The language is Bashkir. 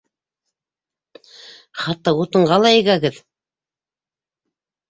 Хатта утынға ла егәгеҙ!